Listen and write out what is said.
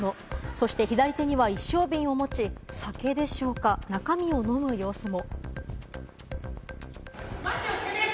そして左手には一升瓶を持ち、酒でしょうか中身を飲む様子も。